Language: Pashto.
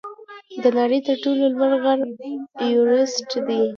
د نړۍ تر ټولو لوړ غر ایورسټ دی.